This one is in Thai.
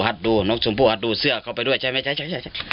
หาดดูน้องชมพู่หาดดูเสื้อเข้าไปด้วยใช่ไหมใช่ใช่